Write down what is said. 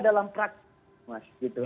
dalam praktik gitu